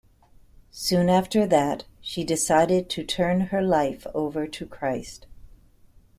Soon after that, she decided to "turn her life over to Christ".